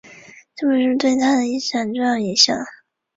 原属阿尔帕德的部落以阿尔帕德之子索尔坦为大公。